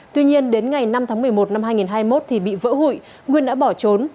tuy nhiên đến ngày năm tháng một mươi một năm hai nghìn hai mươi một thì bị vỡ hụi nguyên đã bỏ trốn